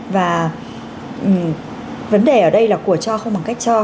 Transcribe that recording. và vấn đề ở đây là của cho không bằng cách cho